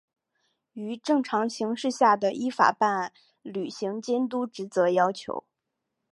与正常形势下的依法办案、履行监督职责要求